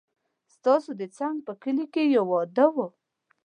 ستاسو د څنګ په کلي کې يو واده و